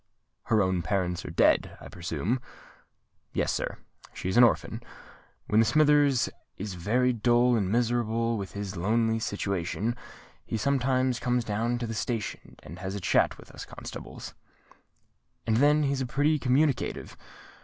"Her own parents are dead, I presume?" "Yes, sir,—she is an orphan. When Smithers is very dull and miserable with his lonely situation, he sometimes comes down to the station and has a chat with us constables; and then he's pretty communicative.